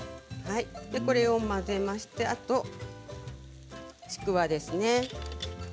これを混ぜましてちくわですね。